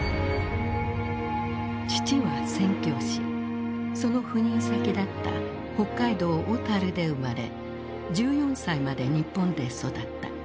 父は宣教師その赴任先だった北海道小樽で生まれ１４歳まで日本で育った。